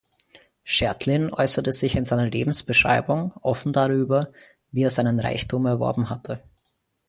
Schertlin äußerte sich in seiner Lebensbeschreibung offen darüber, wie er seinen Reichtum erworben hatte.